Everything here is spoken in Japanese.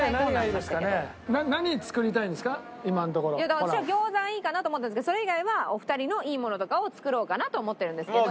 だから私は餃子がいいかなと思ってたんですけどそれ以外はお二人のいいものとかを作ろうかなと思ってるんですけど。